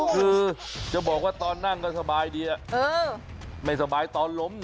คือจะบอกว่าตอนนั่งก็สบายดีไม่สบายตอนล้ม